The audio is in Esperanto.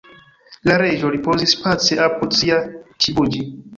La Reĝo ripozis pace apud sia _ĉibuĝi_.